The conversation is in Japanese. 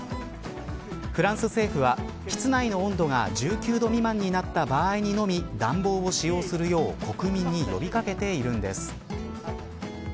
フランス政府は、室内の温度が１９度未満になった場合にのみ暖房を使用するよう国民に呼び掛けているんです。